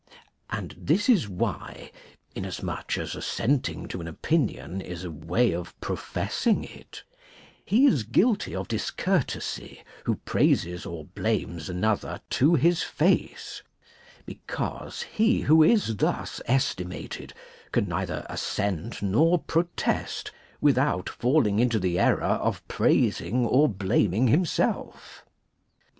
And this is why (inasmuch as assenting to an opinion is a way of professing it) he is guilty of discourtesy who praises or blarhes another to his face ; because he who is thus estimated can neither assent nor protest without falling into the error of praising or blaming himself.